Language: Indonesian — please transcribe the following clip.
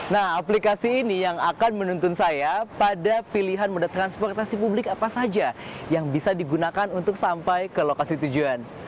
nah aplikasi ini yang akan menuntun saya pada pilihan moda transportasi publik apa saja yang bisa digunakan untuk sampai ke lokasi tujuan